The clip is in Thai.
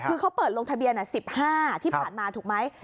คือเขาเปิดลงทะเบียน๑๕ที่ผ่านมาถูกไหม